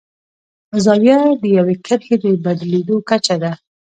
زاویه د یوې کرښې د بدلیدو کچه ده.